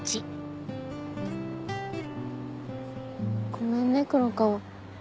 ごめんね黒川。